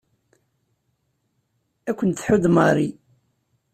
Ad kent-tḥudd Mary.